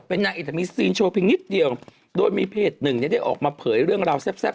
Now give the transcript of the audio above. เป็นนางเอกมีซีนโชว์เพียงนิดเดียวโดยมีเพจหนึ่งเนี่ยได้ออกมาเผยเรื่องราวแซ่บ